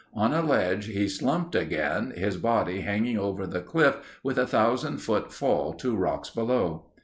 On a ledge, he slumped again, his body hanging over the cliff with a 1000 foot fall to rocks below.